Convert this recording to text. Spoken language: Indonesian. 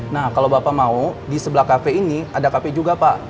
nah kalau bapak mau di sebelah kafe ini ada kafe juga pak